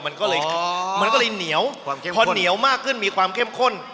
มันก็เลยเหนียวเพราะเหนียวมากขึ้นมีความเข้มข้น